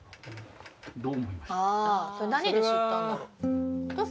何で知ったんだろう。